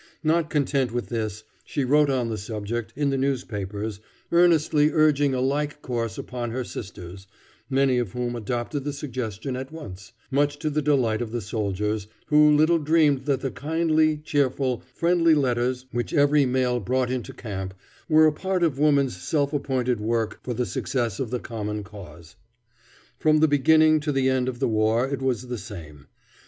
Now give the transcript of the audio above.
Not content with this, she wrote on the subject in the newspapers, earnestly urging a like course upon her sisters, many of whom adopted the suggestion at once, much to the delight of the soldiers, who little dreamed that the kindly, cheerful, friendly letters which every mail brought into camp, were a part of woman's self appointed work for the success of the common cause. From the beginning to the end of the war it was the same.